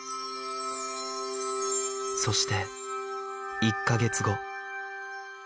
そして１カ月後